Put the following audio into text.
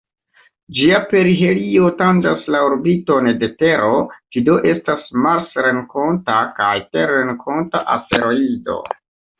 Ĝia perihelio tanĝas la orbiton de Tero, ĝi do estas marsrenkonta kaj terrenkonta asteroido.